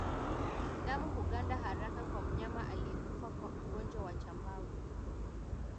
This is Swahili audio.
Damu huganda haraka kwa mnyama aliyekufa kwa ugonjwa wa chambavu